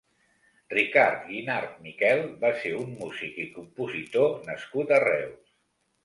Ricard Guinart Miquel va ser un músic i compositor nascut a Reus.